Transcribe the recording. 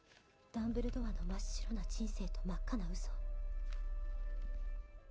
「ダンブルドアの真っ白な人生と真っ赤な嘘」